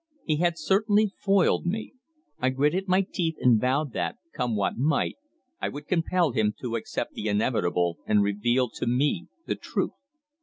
He had certainly foiled me. I gritted my teeth and vowed that, come what might, I would compel him to accept the inevitable and reveal to me the truth.